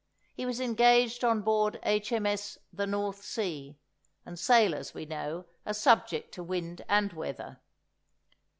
He was engaged on board H.M.S. "The North Sea," and sailors, we know, are subject to wind and weather.